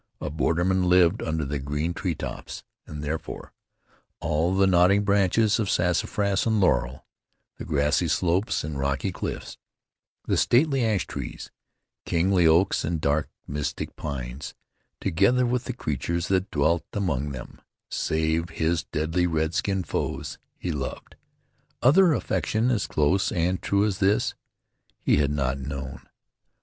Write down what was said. A borderman lived under the green tree tops, and, therefore, all the nodding branches of sassafras and laurel, the grassy slopes and rocky cliffs, the stately ash trees, kingly oaks and dark, mystic pines, together with the creatures that dwelt among them, save his deadly red skinned foes, he loved. Other affection as close and true as this, he had not known.